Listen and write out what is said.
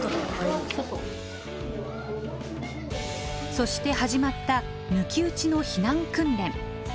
そして始まった抜き打ちの避難訓練。